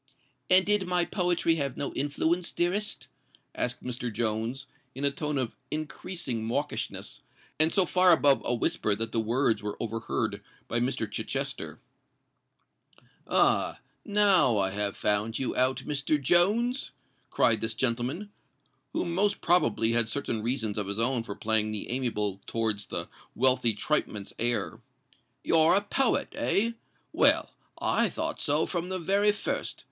"And did my poetry have no influence, dearest?" asked Mr. Jones, in a tone of increasing mawkishness, and so far above a whisper that the words were overheard by Mr. Chichester. "Ah! now I have found you out, Mr. Jones!" cried this gentleman, who most probably had certain reasons of his own for playing the amiable towards the wealthy tripeman's heir: "you're a poet—eh? Well—I thought so from the very first.